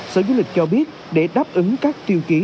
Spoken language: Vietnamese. sở du lịch cho biết để đáp ứng các tiêu chí